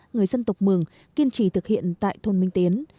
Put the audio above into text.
người dân tộc mường kiên trì thực hiện tại thôn minh tiến